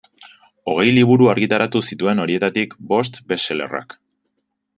Hogei liburu argitaratu zituen, horietatik bost best-sellerrak.